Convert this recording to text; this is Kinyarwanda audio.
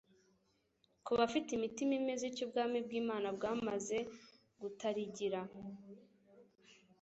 Ku bafite imitima imeze ityo, ubwami bw'Imana bwamaze gutarigira,